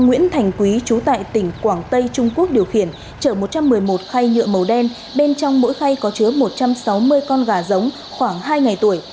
nguyễn thành quý chú tại tỉnh quảng tây trung quốc điều khiển chở một trăm một mươi một khay nhựa màu đen bên trong mỗi khay có chứa một trăm sáu mươi con gà giống khoảng hai ngày tuổi